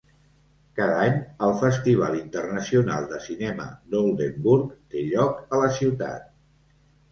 Cada any el Festival Internacional de Cinema d'Oldenburg té lloc a la Ciutat.